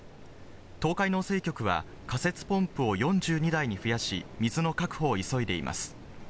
東海農政局は、仮設ポンプを４２台に増やし、水の確保を急いでいます。